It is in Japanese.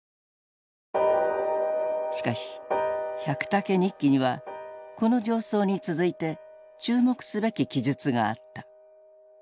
しかし「百武日記」にはこの上奏に続いて注目すべき記述があった。